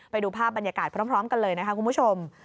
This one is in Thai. ไปดูภาพบรรยากาศพร้อมกันเลยนะคะคุณผู้ชม